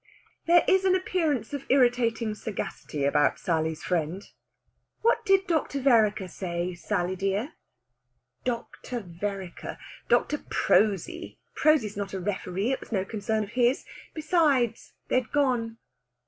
There is an appearance of irritating sagacity about Sally's friend. "What did Dr. Vereker say, Sally dear?" "Doc tor Vereker! Dr. Prosy. Prosy's not a referee it was no concern of his! Besides they'd gone."